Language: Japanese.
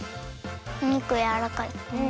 お肉やわらかい。